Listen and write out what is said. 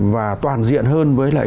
và toàn diện hơn với lại